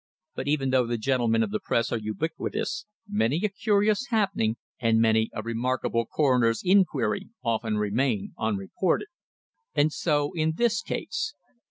But even though the gentlemen of the Press are ubiquitous, many a curious happening, and many a remarkable coroner's inquiry, often remain unreported. And so in this case.